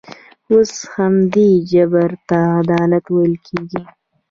اوس همدې جبر ته عدالت ویل کېږي.